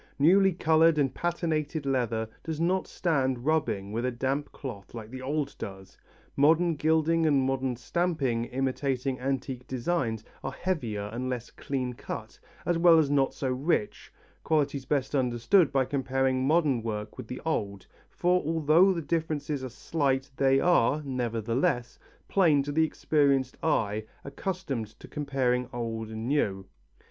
Newly coloured and patinated leather does not stand rubbing with a damp cloth like the old does, modern gilding and modern stamping imitating antique designs are heavier and less clean cut as well as not so rich qualities best understood by comparing modern work with the old, for although the differences are slight they are, nevertheless, plain to the experienced eye accustomed to comparing old and new.